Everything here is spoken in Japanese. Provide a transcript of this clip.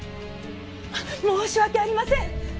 申し訳ありません！